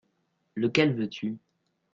Lequel veux-tu ?